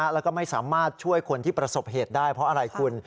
แล้วก็ไม่สามารถช่วยคนที่ประสบเหตุได้เพราะอะไรคุณ